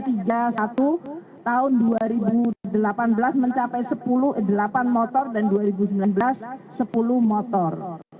tahun dua ribu delapan belas mencapai delapan motor dan dua ribu sembilan belas sepuluh motor